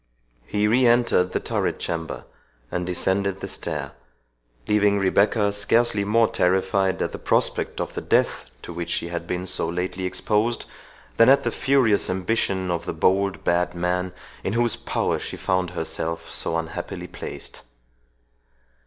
He re entered the turret chamber, and descended the stair, leaving Rebecca scarcely more terrified at the prospect of the death to which she had been so lately exposed, than at the furious ambition of the bold bad man in whose power she found herself so unhappily placed.